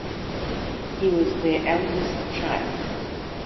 He was their eldest child.